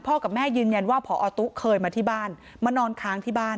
กับแม่ยืนยันว่าพอตุ๊เคยมาที่บ้านมานอนค้างที่บ้าน